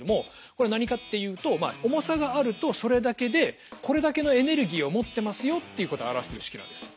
これ何かっていうと重さがあるとそれだけでこれだけのエネルギーを持ってますよっていうことを表してる式なんです。